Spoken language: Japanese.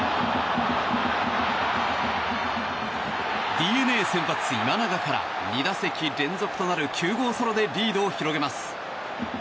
ＤｅＮＡ先発、今永から２打席連続となる９号ソロでリードを広げます。